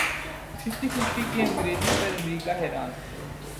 fifty fifty کی انگریزی پر امریکی حیران